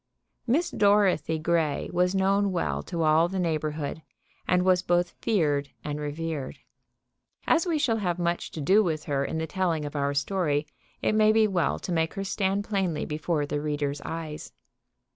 Miss Dorothy Grey was known well to all the neighborhood, and was both feared and revered. As we shall have much to do with her in the telling of our story, it may be well to make her stand plainly before the reader's eyes.